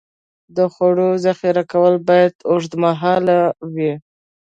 د خوړو ذخیره کول باید اوږدمهاله حل ولري.